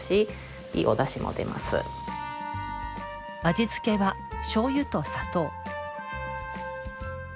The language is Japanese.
味付けは、しょうゆと砂糖。